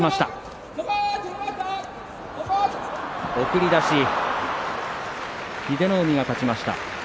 送り出し英乃海が勝ちました。